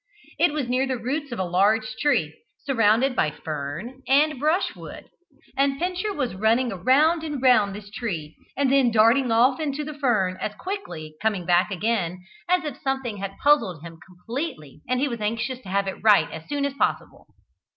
It was near the roots of a large tree, surrounded by fern and brushwood; and Pincher was running round and round this tree, and then darting off into the fern, and as quickly coming back again, as if something had puzzled him completely and he was anxious to have it set right as soon as possible.